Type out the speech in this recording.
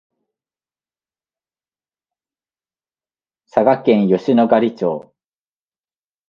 佐賀県吉野ヶ里町